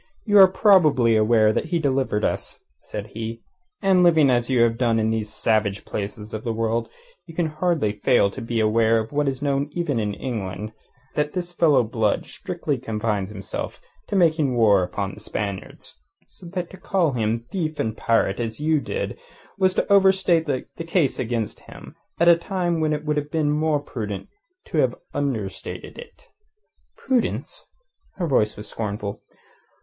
"You are probably aware that he delivered us," said he. "And living as you have done in these savage places of the world, you can hardly fail to be aware of what is known even in England: that this fellow Blood strictly confines himself to making war upon the Spaniards. So that to call him thief and pirate as you did was to overstate the case against him at a time when it would have been more prudent to have understated it." "Prudence?" Her voice was scornful.